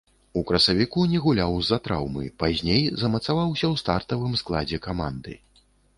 У красавіку не гуляў з-за траўмы, пазней замацаваўся ў стартавым складзе каманды.